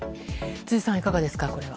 辻さん、いかがですか？